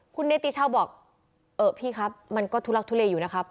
คุณเนติชาวบอกเออพี่ครับมันก็ทุลักทุเลอยู่นะครับ